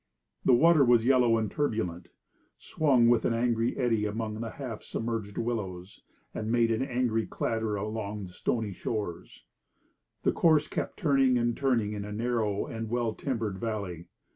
The water was yellow and turbulent, swung with an angry eddy among half submerged willows, and made an angry clatter along stony shores. The course kept turning and turning in a narrow and well timbered valley.